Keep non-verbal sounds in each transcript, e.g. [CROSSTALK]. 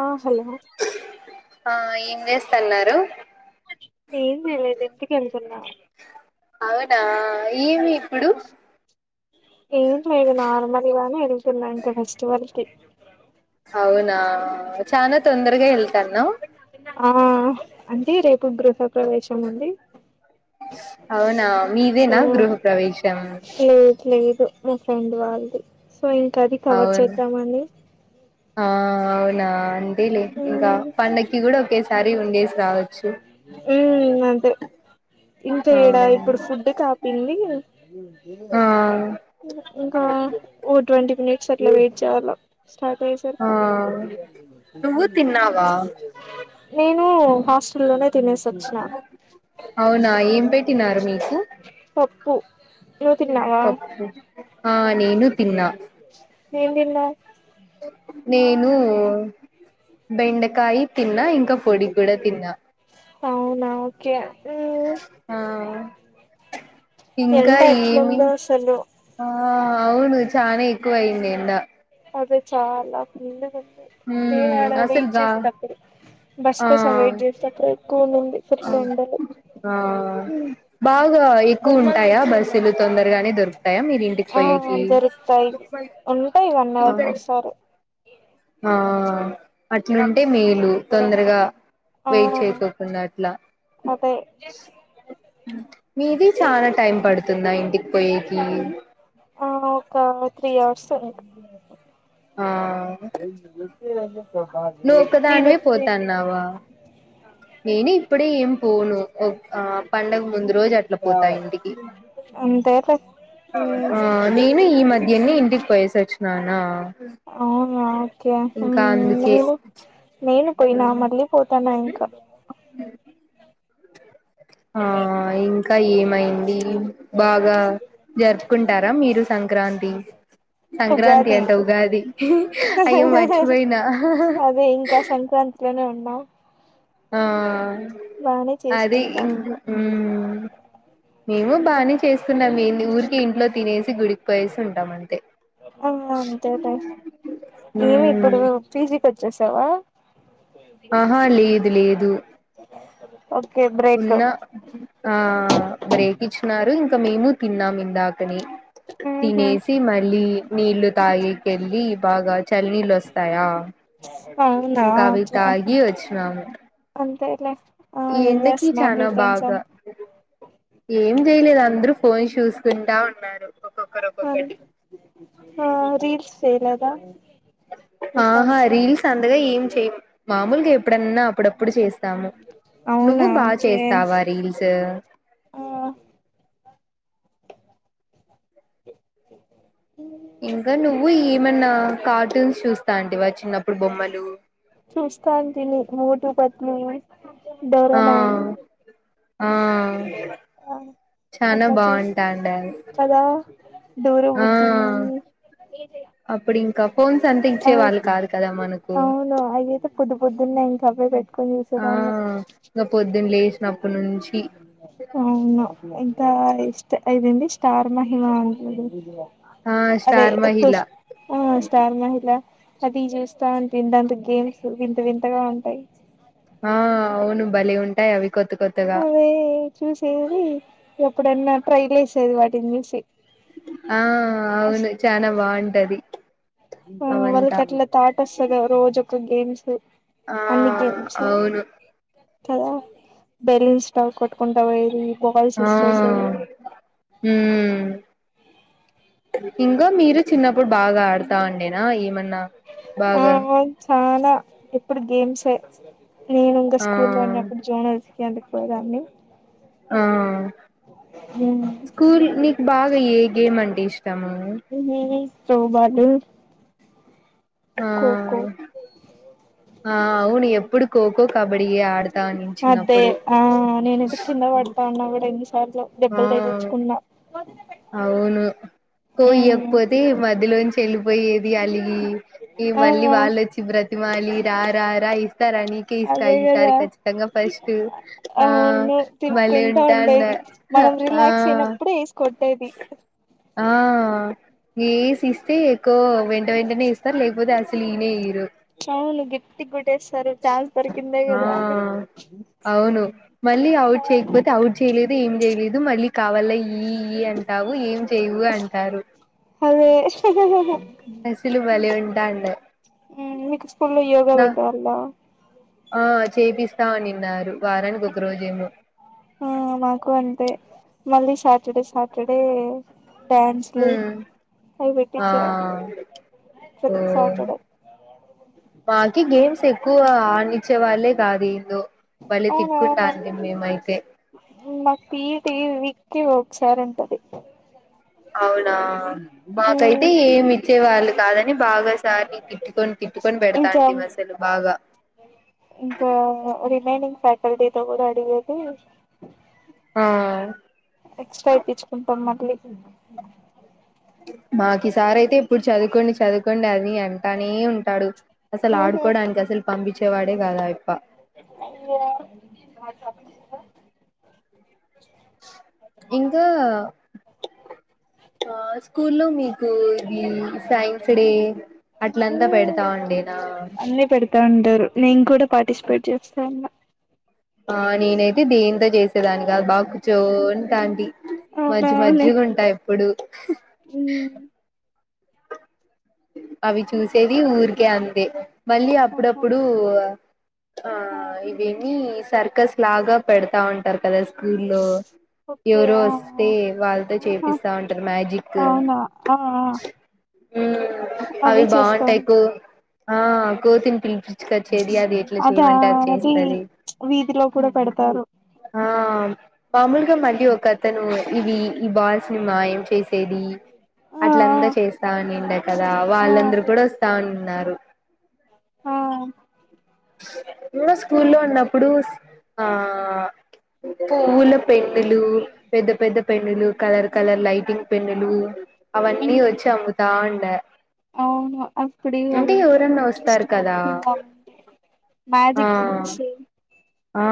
ఆ హాలో. ఆ ఏం చేస్తన్నారు ఏం జేలెదింటికెల్.. ప్పునా.. అవునా. [UNINTELLIGIBLE] ఇప్పుడు. ఏం లేదు నార్మల్ గానే ఏళ్తున్నా ఇంకా ఫెస్టివల్కి. అవునా. చనా తొందరగా ఎళ్తాన్నవ్? ఆ అంటే రేపు గృహా ప్రవేశం ఉంది. అవునా. మీదేనా గృహప్ర.? [UNINTELLIGIBLE] ట్లేదు. మా ఫ్రెండూ వాళ్దీ. సో ఇంకా అది కవర్ అవును చేద్దామని. ఆ అవునా. ! తేలే ఇంకా మ్మ్ పండక్కి గూడా ఒకేసా. సరి ఉండేసి రావో. ఊ అంతే. ఇంకా ఆ ఈడా ఇప్పుడు ఫుడ్ కాపింది, ఆ ఇంకా. ట్వంటీ మినిట్స్ అట్లా వెయిట్ చేయాల. స్టార్ట్ అయ్యొ ఆ సార్కి. నువ్వు తిన్నావా నేను హాస్. లోనే. అవునా. ఏం పెట్టినారు మీకు.? నూ తిన్నావా? పప్పు ఆ నేను తిన్నా ఏం తిన్న నేను బెండకాయ్ తిన్నా ఇంకా పొడి కూడా తిన్నా అవునా ఓకే మ్మ్. ఇంకా ఎండ ఏమి ఎట్లుందో అసలు ఆ అవును చానా ఎక్కువ అయింది ఎండ అదే చాలా ఫుల్ [UNINTELLIGIBLE] మ్మ్ అసలు బస్ ఆ కోసం వెయిట్ చేసేటప్పుడు ఎక్కువ ఉండింది ఫుల్ ఎండలు బాగా ఎక్కువ ఉంటాయా బస్ తొందరగానే దొరుకుతాయా మీరి ఇంటికి ఆ పోయకి దొరుకుతాయి ఉంటాయి వన్ అవర్ కి ఒకసారి ఆ అట్లుంటే మేలు తొందరగా ఆ వెయిట్ చేయకోకుండా అట్లా అ అదే మీది ఈ చాలా టైం పడుతుందా ఇంటికి పోయికి ఆ ఒక త్రీ అవర్స్ ఆ నువ్వు [UNINTELLIGIBLE] మీరు ఒక్కదానివే ఎప్పుడు ఇంటికి పోతాన్నావా నేను ఇప్పుడే ఏం పోను ఆ పండగ ముందు రోజు అట్లా పోతా ఇంటికి అంతే ఆ నేను ఈ మధ్యనే ఇంటికి పోయేసి వచ్చినానా ఆ ఇంకా అందుకే నేను పోయినా మళ్ళీ పోతానా ఇంకా ఆ ఇంకా ఏమైంది బాగా జరుపుకుంటారా మీరు సంక్రాంతి సంక్రాంతి ఉగాది అంటే ఉగాది అయ్యో మర్చిపోయినా మా ఆ అది ఇ చేసుకుంటాం మేము బానే చేస్తున్నాం ఏ ఊరికె ఇంట్లో తినే [UNINTELLIGIBLE] గుడికి పోయేసి ఉంటాం అంతే అ అంతే టై ఏమి మ్మ్ ఇప్పుడు పీజీకి వచ్చే సవ ఆహా లేదు లేదు ఓకే బ్రేక్ ఉన్న ఆ బ్రేక్ ఇచ్చినారు ఇంకా మేము తిన్నాం ఉందా అతని ఉహు తినేసి మళ్ళీ నీళ్లుు తాగికెళ్ళి బాగా చలినీళ్ళు వస్తాయా అవునా ఇంకా అవి ఓకే తాగి వచ్చినము [UNINTELLIGIBLE] ఈ ఏం ఎండకి చేస్తున్నారు మీ చనా ఫ్రెండ్స్ అం బాగా ఏం చేయలేదు అందరు ఫోన్ చూసుకుంటా ఉన్నారు ఒక్కొక్కరు అవు ఒక్కొక్కటి ఆ రీల్స్లా చేయలేదా మీ ఆహా ఫ్రెండ్స్ రీల్స్ అంతగా ఏం చె మామూలుగా ఎప్పుడన్నా అప్పుడప్పుడు చేస్తాము నువ్వు అవునా బాగా ఓకే చేస్తావా రీల్స్ ఆ ఓ ఇంకా నువ్వు ఏమన్నా కార్టూన్స్ చూస్తంటివ చూస్తటీమ్ మోటు పత్ని దౌర ఆ మ్యాన్ ఆ చనా అట్లా చూస్ బాగుంటాడా అది కదా డోర ఆ బుజ్జి అప్పుడు ఇంకా ఫోన్స్ అంతా ఇచ్చే అవి వాళ్ళు కాదు కదా మనకు న సబే పెట్ ఆ ఇంకా పొద్దున లేసినప్పడు నుంచిడి మంచి ఇంత ఇష్ట ఇదండి స్టార్ మహిమ అంత ఆ స్టార్ మహిళ అదేష్ స్టార్ మహిళ అది చేస్తాని తింత గేమ్స్ వింత వింతగా ఉంటాయి ఆ అవును బలి ఉంటాయి అవి కొత్త కొత్తగా అవే చూసేది ఎప్పుడన్నా ట్రైల్ వసేది వాటిని చూసి ఆ అస్ అవును చానా బాంట టది ఆ వళ్ళకట్ల థాట్ వస్తది రోజూ గేమ్స్ ఆ అన్ని గేమ్స్ అవును కదా బెలిన్ స్టవ్ కొట్టుకుంటా పోయది ఆ మ్మ్ ఇంగ మీరు చిన్నప్పుడు బాగా ఆడతా అండేనా ఏమన్నా ఆ బాగా చాలా ఎప్పుడు గేమ్స్ఎ నేను ఇంకా ఆ స్కూల్ లో ఉన్నప్పుడు జోనల్స్ ఎందుకుపోయేదాన్ని ఆ స్కూల్ నీకు బాగా ఏ గేమ్ అంటేష్ట ఇష్టము తో బాటు ఆ ఆ అవును ఎప్పుడు కో అదే ఆ నేనుది కింద పడతా ఉన్నా కూడా ఎన్నిసార్లు ఆ దెబ్బలు తగిలిచుకున్నా బ అవును కోయ్యకపోతే మధ్యలోంచి వెళ్ళిపోయేది అలిగి ఈ ఆ మళ్ళీ వాళ్ళొచ్చి బ్ర వాలి రా రా రా ఇస్తారా నక ఇస్తా అదే ఈసారి కదా ఖచ్చితంగా ఫస్ట్ ఆ అవును తిరుక్కుంటా బలేఉంటాండ ఉండేది మనం ఆ రిలాక్స్ అయినప్పుడు ఏసి కొట్టేది ఆ ఏసి కొ వెంట వెంటనే ఇస్తారు లేకపోతే అసలు ఈనే ఈరు అవును గట్టి కొట్టేస్తారు ఛాన్స్ దొరికిందే ఆ కదా అని అవును మళ్ళీ అవుట్ చేయకపోతే అవుట్ చేయలేదు ఏం చేయలేదు మళ్ళ కావల ఈ ఈ రావు ఏం చేయవు అంటారు అదే అసలు భలే ఉంటాండ మీకు స్కూలో యోగా నా పెట్టేవాళ్ళ ఆ చేపిస్తా ఉన్నిన్నారు వారానికి ఒక రోజు ఏయమ ఆ మాకు అంతే మళ్ళీ సాటర్డే సాటర్డే డ్యాన్స్లు మ్మ్ అవి ఆ పెట్టించేవాళ్ళు ప్రతి ఏమో సాటర్డే మాకి గేమ్స్ ఎక్ క్కువ ఆడనిచ్చే వాళ్ళే కాదు ఏందో భలే అవునా తిట్కుంటాంటిమి మేమైతే టీవీ వీక్కి ఒకసారుంటది అవు నా మాకైతే ఏమి ఇచ్చే వాళ్ళు కాదని బాగాసార్ని తిట్టుకొని తిట్టుకొని ఇంకా పెడతాంటిమసలు అసలు బాగా కల్టీ తో కూడా అడిగేది ఆ మీ మాకి సారయితే ఎప్పుడు చదువుకోండి చదువుకోండి అది అంటానే ఉంటాడు అసలు ఉహు ఆడుకోడానికి అసలు పంపించేవాడే కాదు ఆయ్ప అప్పుడుంద ఇంకా ఆ స్కూల్లో కు వి సైన్స్ డే ఊ అట్లంతా పెడతా ఉండేనా అన్ని పెడతా ఉంటారు నేను కూడా పార్టిసిపేట్ చేస్తా ఉన్నా ఆ నేనైతే దీంతో చేసి దాన్ని బాగకుచోంటాంటి అవునా మంచి లే మంచిగుంటాయి ప్పుడు అవి చూసేది ఊర్ కే అంతే మళ్ళీ ఆహా అప్పుడప్పుడు ఆ ఇవేమి సర్కస్ లాగా పెడతా ఉంటారు కదా స్కూల్లో ఓకే ఎవరో ఆ వస్తే వాళ్ళతో ఆహా చేపిస్తా ఉంటారు మ్యాజిక్ అవునా ఆ అవి బాగుంటాయి ఎక్కువగా ఆ కోతిని పిలిపిచ్చి అదా అది వీధిలో కూడా పెడతారు ఆ మామూలుగా మళ్ళీ ఒక అతను ఇవి ఈ బాల్స్ ని మాయం చేసి తేది ఆ అట్లంతా చేస్తా ఉన్నిండ కదా ఆ వాళ్ళందరు కూడా వస్తా ఉన్నారు అ నేన స్కూల్లో ఉన్నప్పుడు పువ్వుల పెన్నులు పెద్ద పెద్ద పెన్నులు కలర్ కలర్ లైటింగ్ పెన్నులు అవన్నీ వచ్చి అమ్ముతా ఉండ అవును అప్పుడు అంటే అవి ఎవరన్నా జస్ట్ వస్తారు కదా కొనుక్కుందామంటే మ్యాజిక్ ఆ బుక్స్ ఆ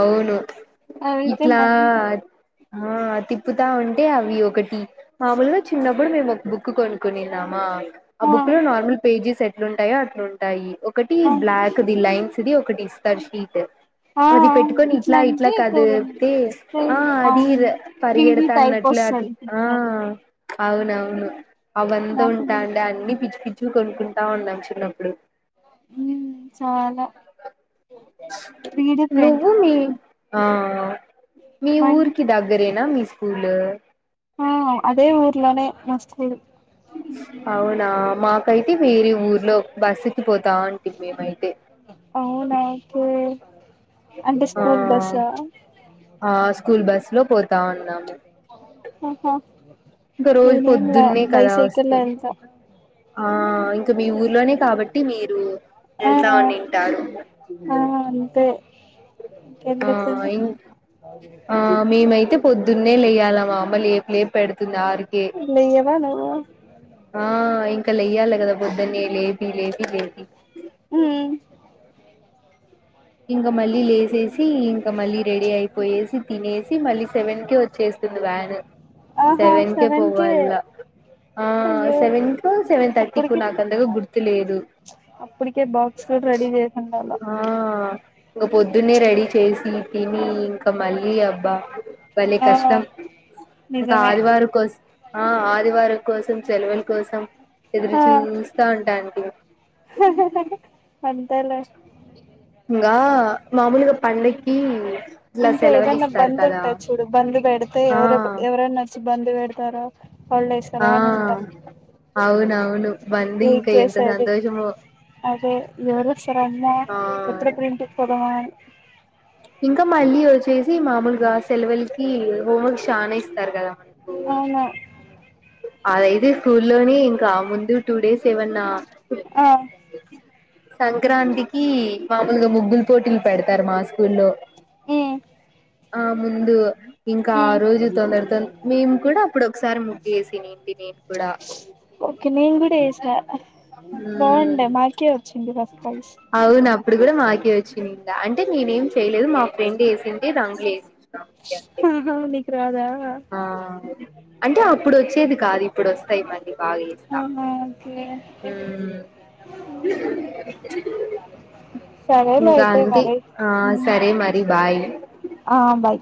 అవును అవైతే ఇట్లా మరి ఆ తిప్పుతా ఉంటే అవి ఒకటి మాముూలుగా చిన్నప్పుడు మేము ఒక బుక్ కొనుకునిన్నామా ఆ బుక్ లో నార్మల్ పేజెస్ సెట్లు ఉంటాయో అట్లుంటాయి ఒకటి ఆ బ్లాక్ ది లైన్స్ ది ఒక డిస్ార్జ షీట్ ఆ అది పెట్టుకొని ఇట్లా అంటే ఇట్లా కదు ఇప్పుడు చెతే ఆ అది అవును త్రీ డి పరిగెడతా టైప్ అన్నట్లు అట్లా వస్తది ఆ పిక్చర్ అవును అవును అవంతా నాకు ఉంటా అండి అన్నిీ గుర్తుంది పిచ్చు పిచ్చు కొ కుంటా ఉండ చిన్నప్పుడు చాలా త్రి డ నువ్వు మీ ఆ మీ మా ఇంటి ఊరికి దగ్గరే నా మీ స్కూల్ ఆ అదే ఊరిలోనే మస్తదు అవునా మాకైతే వేరే ఊర్లో బస్సుకి పోతు అవు నాకుే ఆ ఆ స్కూల్ బస్ లో పోతా ఉన్నాము ఆహా ఇంకా రోజు ననే ఏంలా పొద్దున్నే కదా బైసైకిల్ వస్తది ఎంత ఆ ఇంక మీ ఊర్లోనే కాబట్టి మీరు ఆ వెళ్తాంటారు ఆ అంతే ఆ ఇంకెందుకని ఇం ఆ మేమైతే పొద్దున్నే లేయాల మామ్మలుపు లేపు పెడుతుంది ఆరికే లేవా నువ్వు ఆ ఇంకా లేెయ్యాలి కదా బుద్ ద లేపి లేపి లేపి ఉమ్ ఇంగ మళ్ళీ లే వసి ఇంకా మళ్ళీ రెడీ అయిపోయేసి తినేసి మళ్ళీ సెవెన్ క వచ్చేస్తుంది వ్యాన్ ఆహా సెవెన్ క కే పోవల అయ్యో సెవెన్ కు సెవెన్ థర్టీ కు అప్పుటికి నాకందగా గుర్తు లేదు అప్పటికే బాక్స్ కూడా రెడీ చేసుండాల ఇంక పొద్దున్న రెడీ చేసి తిని ఇంకా మళ్ళీ అ బా వళ ఆ కష్టం ఇంకా నిజమే ఆదివారి కోసం ఆ ఆదివారం కోసం సెలవుల కోసం ఎదురు ఆ చూస్తా ఉంటాడి తెలే గా మాములుగా పండక్కి ఇట్లా ఇంకా సెలవులు ఏదన్నా ఇస్తారు బంద్ కదా ఉంటా చూడు బంద్ పెడితే ఆ ఎవరు ఎవరన్నా వచ్చి బంద్ పెడతారా వాళ్ళు ఏస్తార ఆ అని ఉంటాం అవునవును బంద్ వెయిట్ ఇంకా ఎంత జేసేది సంతోషమో అదే ఎవరుస్తర అమ్మా ఆ ఎప్పుడెప్పుడు ఇంటికి పోదమా అని ఇంకా మళ్ళీ వచ్చేసి మామూలుగా సెలవులకి హోంవర్క్ చానా ఇస్తారు గదా అవునా అదయితే స్కూల్లోని ఇంకా ముందు టూ డేస్ ఏవన్నా ఆ సంక్రాంతికి మామూలుగా ముగ్గులు పోటీలు పెడతారు మా స్కూల్లో ఉమ్ ఆ ముందు ఇంకా ఆ ఉమ్ రోజు తొందరతో మేము కూడా అప్పుడు ఒకసారి ఏసినింటి నేను కూడా ఓకే నేను కూడా వేసా బాగుండే ఉమ్ మాకే వచ్చింది ప్రైజ్ అవును అప్పుడు గూడా మాకే వ అంటే నేనేం చేయలేదు మా ఫ్రెండ్ ఏసింది దాంట్లేసి నీకు రాదా ఆ అంటే అప్పుడు వచ్చేది కా ఇప్పుడు వస్తాయి మళ్ళీ బాగ ఏస్తా ఆహా ఓకే సరేలే ఇంక అయితే అంతే మరి ఆ సరే మరి బాయ్ ఆ బయ్